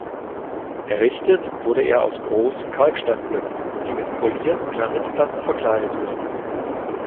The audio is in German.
Errichtet wurde er aus großen Kalksteinblöcken, die mit polierten Granitplatten verkleidet wurden.